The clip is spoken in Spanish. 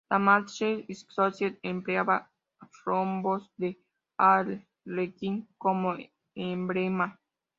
La "Mattachine Society" empleaba rombos de arlequín como emblema.